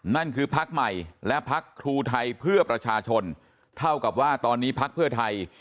นั่นคือพักใหม่และพักครูไทยเพื่อประชาชนเท่ากับว่าตอนนี้พักเพื่อไทย